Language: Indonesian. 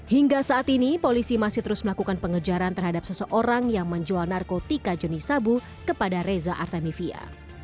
hingga saat ini polisi masih terus melakukan pengejaran terhadap seseorang yang menjual narkotika jenis sabu kepada reza artamivia